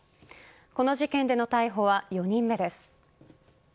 この事件での逮捕は４人目です。